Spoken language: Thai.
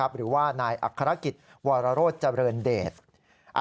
หรือว่านายอัครกิจวรโรธเจริญเดช